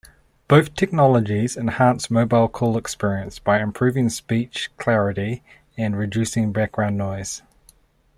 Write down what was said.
Both technologies enhance mobile call experience by improving speech clarity and reducing background noise.